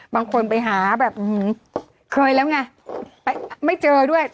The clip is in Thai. บางคนไปหาแบบเคยแล้วไงไม่เจอด้วย